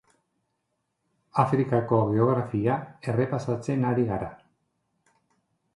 Afrikako geografia errepasatzen ari gara.